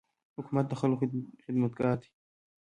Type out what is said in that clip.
حکومت د خلکو خدمتګار دی.